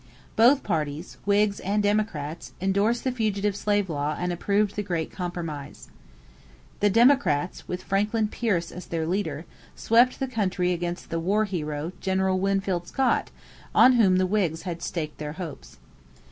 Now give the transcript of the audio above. Both parties, Whigs and Democrats, endorsed the fugitive slave law and approved the Great Compromise. The Democrats, with Franklin Pierce as their leader, swept the country against the war hero, General Winfield Scott, on whom the Whigs had staked their hopes.